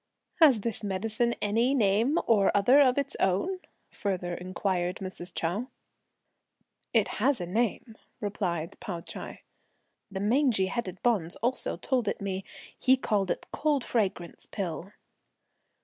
"Has this medicine any name or other of its own?" further inquired Mrs. Chou. "It has a name," replied Pao Ch'ai; "the mangy headed bonze also told it me; he called it 'cold fragrance' pill."